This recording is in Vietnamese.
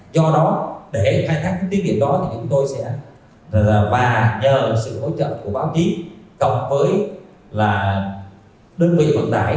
do đó để khai thác những tiết điểm đó thì chúng tôi sẽ và nhờ sự hỗ trợ của báo chí cộng với đơn vị vận đải